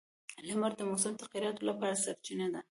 • لمر د موسم تغیراتو لپاره سرچینه ده.